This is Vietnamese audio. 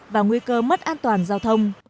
và nguy cơ mất an toàn giao thông